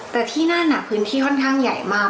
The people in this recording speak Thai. แต่ที่นั่นพื้นที่ค่อนข้างใหญ่มาก